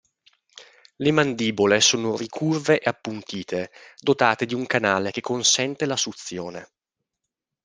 Le mandibole sono ricurve e appuntite, dotate di un canale che consente la suzione.